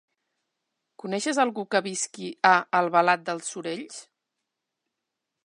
Coneixes algú que visqui a Albalat dels Sorells?